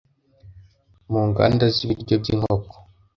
mu nganda z’ibiryo by’inkoko